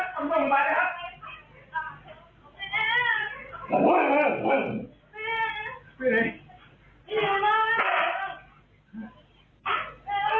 ทุ่มไปล่า